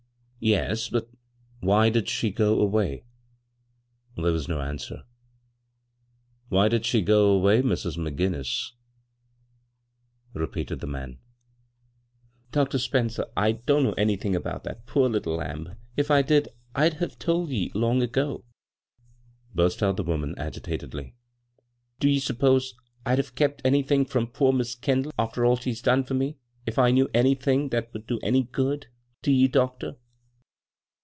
" Yes ; but why did she go away?" There was no answer. " Why did she go away, Mrs. McGinnis?" repeated the man. " Dr. Spencer, I don't know anythin* about that poor little lamb ; if I did I'd have told ye long ago," burst out the woman, agitatedly. " Do ye s'pose I'd have k^ anythin* from poor Mis' Kendall, after all she's done for me, if I knew anythin' that would do any good ? Do ye, doctor